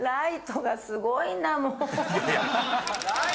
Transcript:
いやいや。